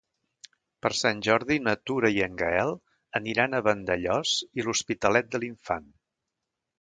Per Sant Jordi na Tura i en Gaël aniran a Vandellòs i l'Hospitalet de l'Infant.